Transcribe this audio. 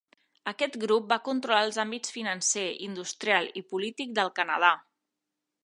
Aquest grup va controlar els àmbits financer, industrial i polític del Canadà.